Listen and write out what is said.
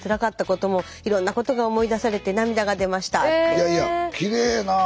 いやいやきれいなぁ。